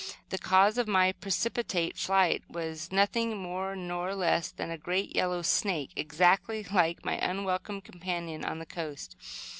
The cause of my precipitate flight was nothing more nor less than a great yellow snake, exactly like my unwelcome companion on the coast.